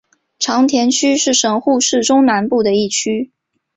长田区是神户市中南部的一区。